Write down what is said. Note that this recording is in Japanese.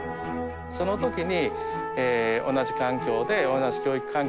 その時に。